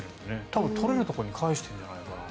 多分、取れるところに返してるんじゃないかな。